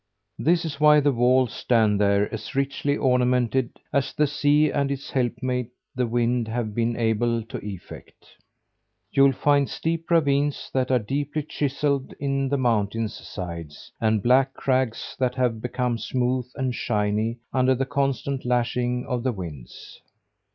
This is why the walls stand there as richly ornamented as the sea and its helpmeet, the wind, have been able to effect. You'll find steep ravines that are deeply chiselled in the mountain's sides; and black crags that have become smooth and shiny under the constant lashing of the winds.